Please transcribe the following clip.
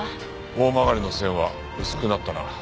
大曲の線は薄くなったな。